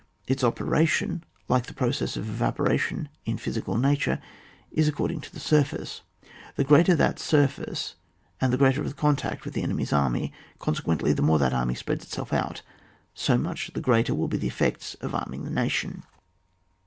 Its operation, like the pro cess of evaporation in physical nature, is according to the surface. The greater that surface and the greater the contact with the enemy's army, consequently the more that army spreads itself out, so much the greater will be the effects of arming the nation.